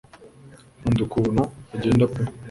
nkunda ukuntu agenda pe